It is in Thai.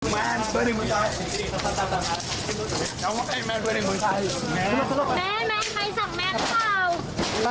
แมนไปสั่งแมนเข้า